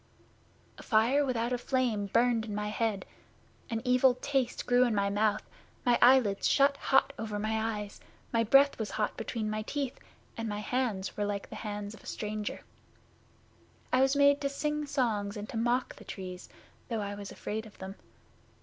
'A fire without a flame burned in my head; an evil taste grew in my mouth; my eyelids shut hot over my eyes; my breath was hot between my teeth, and my hands were like the hands of a stranger. I was made to sing songs and to mock the Trees, though I was afraid of them.